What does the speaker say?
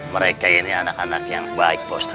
mereka ini anak anak yang baik pak ustadz